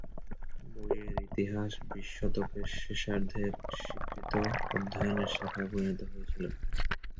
বইয়ের ইতিহাস বিশ শতকের শেষার্ধে একটি স্বীকৃত অধ্যয়নের শাখায় পরিণত হয়েছিল।